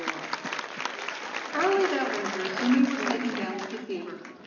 IV Early that winter Jimmie was taken down with a fever.